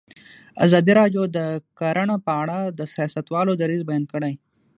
ازادي راډیو د کرهنه په اړه د سیاستوالو دریځ بیان کړی.